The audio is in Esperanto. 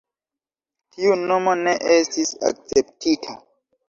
Tiu nomo ne estis akceptita.